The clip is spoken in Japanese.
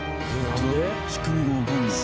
仕組みがわかんない。